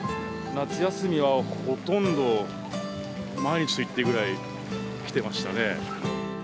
夏休みはほとんど毎日と言っていいぐらい、来てましたね。